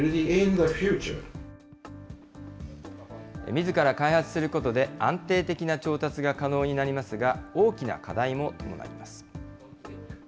みずから開発することで、安定的な調達が可能になりますが、大きな課題も伴いいます。